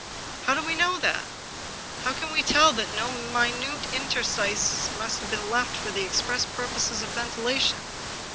" How do we know that ? How can we tell that na minute interstices have been left for the express purpose of ventilation